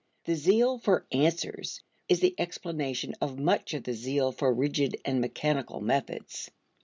The zeal for "answers" is the explanation of much of the zeal for rigid and mechanical methods.